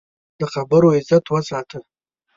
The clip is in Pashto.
د خبرو عزت وساته